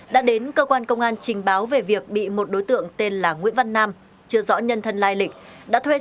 đã đến cơ quan công an trình báo về việc bị một đối tượng tên là nguyễn văn nam chưa rõ nhân thân lai lịch đã thuê